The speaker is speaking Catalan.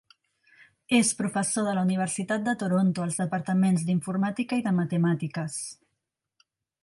És professor de la Universitat de Toronto, als departaments d'Informàtica i de Matemàtiques.